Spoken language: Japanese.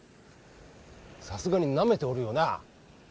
さすがになめておるよな？